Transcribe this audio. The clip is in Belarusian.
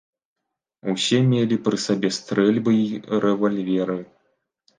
Усе мелі пры сабе стрэльбы і рэвальверы.